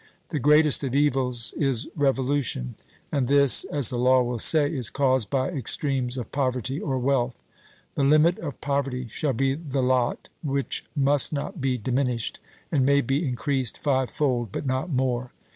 The greatest of evils is revolution; and this, as the law will say, is caused by extremes of poverty or wealth. The limit of poverty shall be the lot, which must not be diminished, and may be increased fivefold, but not more.